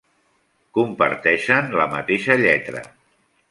Comparteixen la mateixa lletra.